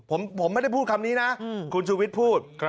ผมไม่ได้พูดคำนี้นะคุณชูวิทย์พูด